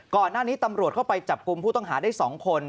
ก่อนหน้านี้ตำรวจเข้าไปจับกลุ่มผู้ต้องหาได้๒คน